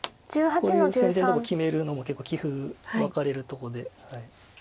こういう先手のとこ決めるのも結構棋風分かれるとこで。